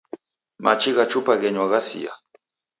Machi gha chupa ghenywa ghasia.